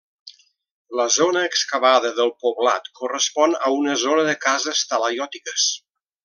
La zona excavada del poblat correspon a una zona de cases talaiòtiques.